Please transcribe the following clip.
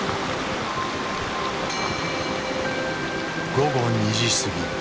午後２時過ぎ。